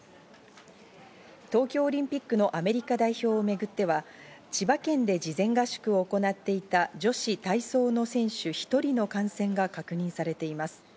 東京オリンピックのアメリカ代表をめぐっては千葉県で事前合宿を行っていた女子体操の選手１人の感染が確認されています。